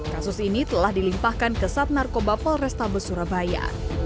kasus ini telah dilimpahkan ke sat narkoba polresta besurabaya